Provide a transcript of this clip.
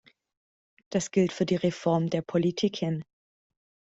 Das gilt für die Reform der Politiken.